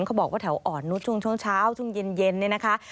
เขาบอกว่าแถวอ่อนนุษย์ช่วงเช้าช่วงเย็นเนี่ยนะคะ